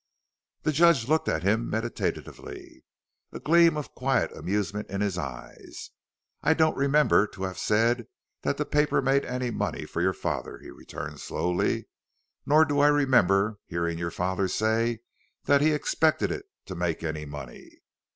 The judge looked at him meditatively, a gleam of quiet amusement in his eyes. "I don't remember to have said that the paper made any money for your father," he returned slowly; "nor do I remember hearing your father say that he expected it to make any money.